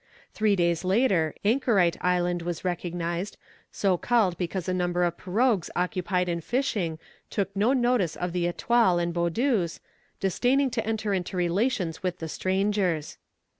Three days later Anchorite Island was recognized, so called because a number of pirogues occupied in fishing, took no notice of the Etoile and Boudeuse, disdaining to enter into relations with the strangers.